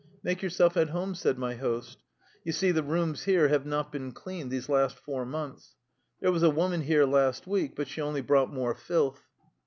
" Make yourself at home," said my host. " You see, the rooms here have not been cleaned these last four months. There was a woman here last week, but she only brought more filth."